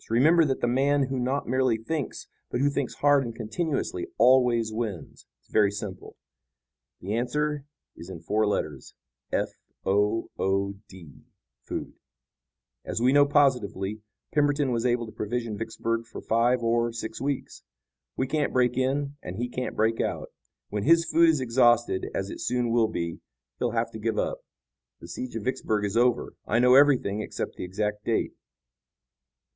Remember that the man who not merely thinks, but who thinks hard and continuously always wins. It's very simple. The answer is in four letters, f o o d, food. As we know positively, Pemberton was able to provision Vicksburg for five or six weeks. We can't break in and he can't break out. When his food is exhausted, as it soon will be, he'll have to give up. The siege of Vicksburg is over. I know everything, except the exact date."